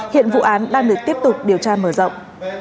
hiện vụ án đang được tiếp tục điều tra mở rộng